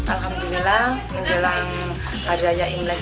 alhamdulillah menjelang harganya imlek